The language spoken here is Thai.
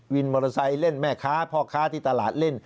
มอเตอร์ไซค์เล่นแม่ค้าพ่อค้าที่ตลาดเล่น